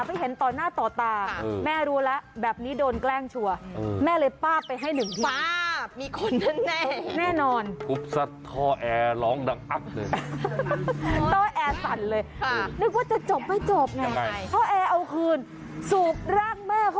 แปลว่าพ่อหนุ่มคนนี้แกล้งแม่ได้ไหมไปดูค่ะ